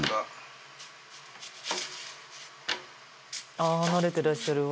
「ああ慣れてらっしゃるわ」